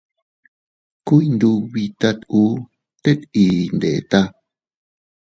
Ku iyndubitat uu, tet ii iyndeta.